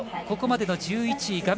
ここまでの１１位。